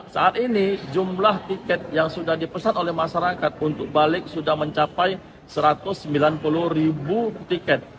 saat ini jumlah tiket yang sudah dipesan oleh masyarakat untuk balik sudah mencapai satu ratus sembilan puluh ribu tiket